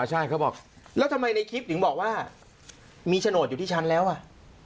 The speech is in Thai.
ใช่เขาบอกแล้วทำไมในคลิปถึงบอกว่ามีโฉนดอยู่ที่ชั้นแล้วอ่ะ